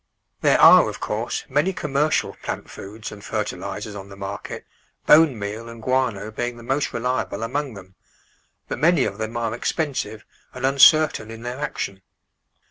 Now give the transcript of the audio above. There are, of course, many commercial plant foods and fer tilisers on the market, bone meal and guano being the most reliable among them, but many of them are expensive and uncertain in their action.